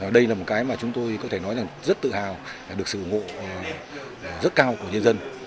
đây là một cái mà chúng tôi có thể nói là rất tự hào được sự ủng hộ rất cao của nhân dân